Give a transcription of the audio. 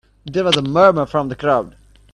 There was a murmur from the crowd.